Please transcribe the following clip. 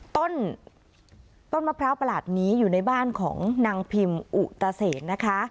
ต้นต้นมะพร้าวประหลาดนี้อยู่ในบ้านของนางพิมอุตเศษนะคะ